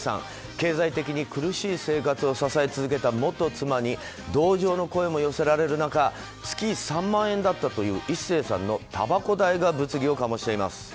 経済的に苦しい生活を支え続けた元妻に同情の声も寄せられる中月３万円だったという壱成さんのたばこ代が物議を醸しています。